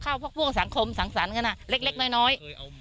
พวกพ่วงสังคมสังสรรค์กันอ่ะเล็กน้อย